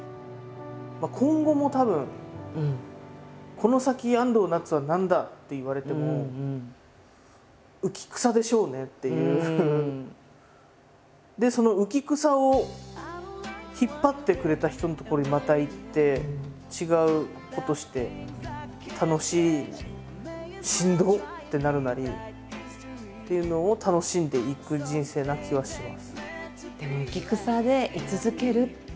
今後もたぶん「この先安藤なつは何だ？」って言われてもでその浮き草を引っ張ってくれた人のところにまた行って違うことして「楽しい」なり「しんど」ってなるなりっていうのを楽しんでいく人生な気はします。